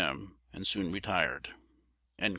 m., and soon retired."